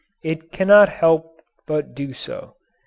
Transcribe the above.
It cannot help but do so.